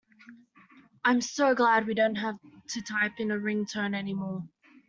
I'm so glad we don't have to type in a ring-tone anymore.